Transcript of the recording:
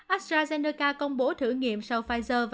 astrazeneca công bố thử nghiệm sau pfizer